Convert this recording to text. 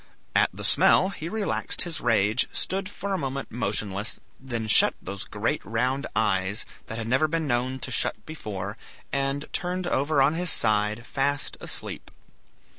At the smell he relaxed his rage, stood for a moment motionless, then shut those great round eyes, that had never been known to shut before, and turned over on his side, fast asleep.